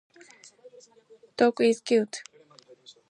Dog is cute.